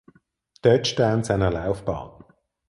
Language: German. Touchdown seiner Laufbahn.